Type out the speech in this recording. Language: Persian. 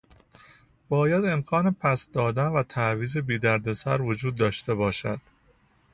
باید امکان پس دادن و تعویض بی دردسر وجود داشته باشد.